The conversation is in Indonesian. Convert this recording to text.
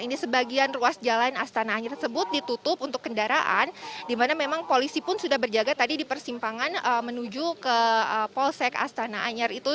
ini sebagian ruas jalan astana anyar tersebut ditutup untuk kendaraan di mana memang polisi pun sudah berjaga tadi di persimpangan menuju ke polsek astana anyar itu